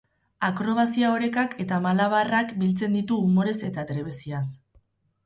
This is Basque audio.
Akrobazia, orekak eta malabarak biltzen ditu umorez eta trebeziaz.